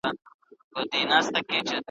پر خوني لارو مي خیژي د خوبونو تعبیرونه `